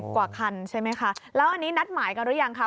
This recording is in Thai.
กว่าคันใช่ไหมคะแล้วอันนี้นัดหมายกันหรือยังคะ